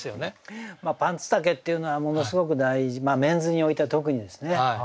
まあパンツ丈っていうのはものすごく大事メンズにおいては特にですね。